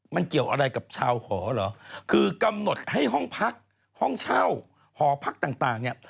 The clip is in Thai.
มันเกี่ยวอะไรกับชาวหอเหรอคือกำหนดให้ห้องพักห้องเช่าหอพักต่างเนี่ย